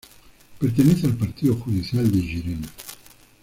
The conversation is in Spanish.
Pertenece al partido judicial de Llerena.